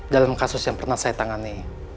dalam kasus yang pernah saya tangani